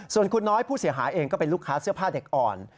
ส่วนคุณน้อยผู้เสียหายเองก็เป็นลูกค้าเสื้อผ้าเด็กอ่อน